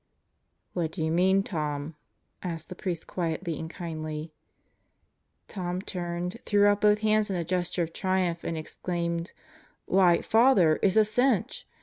"What do you mean, Tom?" asked the priest quietly and kindly. Tom turned, threw out both hands in a gesture of triumph and exclaimed, "Why, Father, it's a cinch